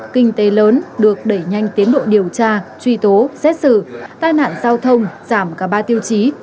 kinh tế lớn được đẩy nhanh tiến độ điều tra truy tố xét xử tai nạn giao thông giảm cả ba tiêu chí